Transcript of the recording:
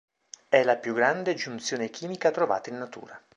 È la più grande giunzione chimica trovata in natura.